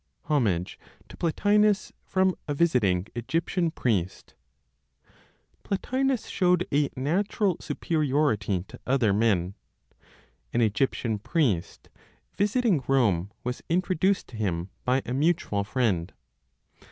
HOMAGE TO PLOTINOS FROM A VISITING EGYPTIAN PRIEST. Plotinos showed a natural superiority to other men. An Egyptian priest, visiting Rome, was introduced to him by a mutual friend.